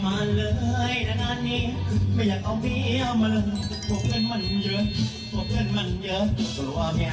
เพราะเพราะว่าเนี่ย